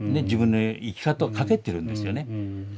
自分の生き方をかけてるんですよね。